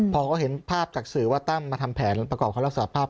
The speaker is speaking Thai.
พอเขาเห็นภาพจากสื่อว่าตั้มมาทำแผนประกอบคำรับสารภาพ